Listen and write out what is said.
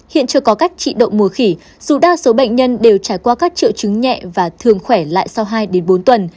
hiện chưa có cách trị động mùa khỉ dù đa số bệnh nhân đều trải qua các triệu chứng nhẹ và thường khỏe lại sau hai bốn tuần